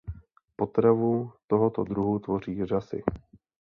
Potravu tohoto druhu tvoří řasy.